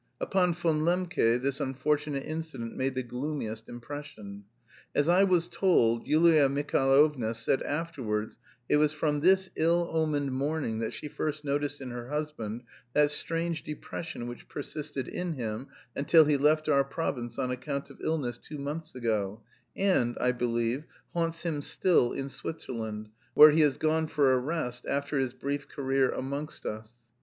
Upon Von Lembke this unfortunate incident made the gloomiest impression. As I was told, Yulia Mihailovna said afterwards it was from this ill omened morning that she first noticed in her husband that strange depression which persisted in him until he left our province on account of illness two months ago, and, I believe, haunts him still in Switzerland, where he has gone for a rest after his brief career amongst us.